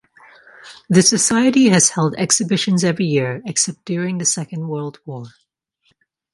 The society has held exhibitions every year except during the Second World War.